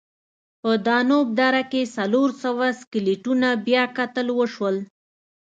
په دانوب دره کې څلور سوه سکلیټونه بیاکتل وشول.